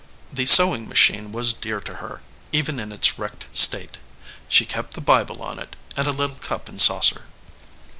The sewing machine was dear to her, even in its wrecked state. She kept the Bible on it, and a little cup and saucer.